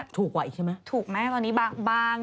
ถูกราคาแบบว่าถูกไหมตอนนี้บาง